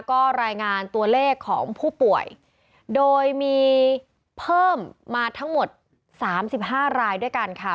ก็รายงานตัวเลขของผู้ป่วยโดยมีเพิ่มมาทั้งหมดสามสิบห้ารายด้วยกันค่ะ